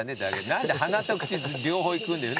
何で鼻と口両方いくんだよ。